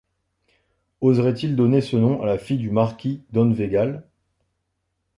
Oserait-il donner ce nom à la fille du marquis don Végal?